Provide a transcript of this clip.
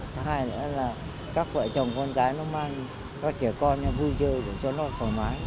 thứ hai nữa là các vợ chồng con gái nó mang các trẻ con vui chơi để cho nó thoải mái